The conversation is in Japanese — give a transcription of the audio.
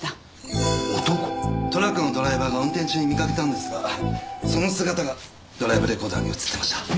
トラックのドライバーが運転中に見かけたのですがその姿がドライブレコーダーに映ってました。